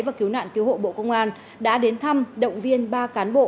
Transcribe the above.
và cứu nạn cứu hộ bộ công an đã đến thăm động viên ba cán bộ